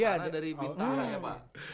karena dari bintara ya pak